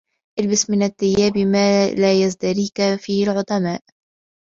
الْبَسْ مِنْ الثِّيَابِ مَا لَا يَزْدَرِيك فِيهِ الْعُظَمَاءُ